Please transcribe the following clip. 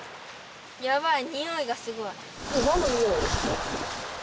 やばい。